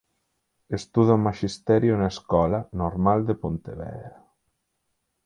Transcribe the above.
Estuda Maxisterio na Escola Normal de Pontevedra.